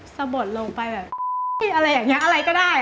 สะบดลงไปแบบอะไรอย่างนี้อะไรก็ได้